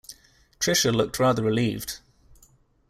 Tricia looked rather relieved.